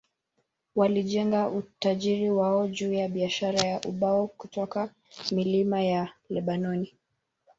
Walijenga utajiri wao juu ya biashara ya ubao kutoka milima ya Lebanoni.